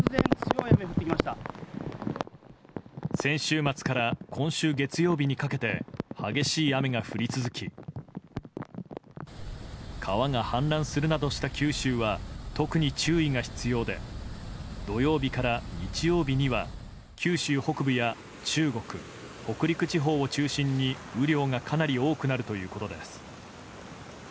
先週末から今週月曜日にかけて激しい雨が降り続き川が氾濫するなどした九州は特に注意が必要で土曜日から日曜日には九州北部や中国、北陸地方を中心に雨量がかなり多くなるということです。